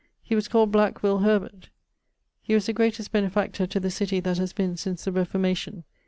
He was called black Will Herbert. [LXXXVI.] He was the greatest benefactor to the city that haz been since the Reformacion.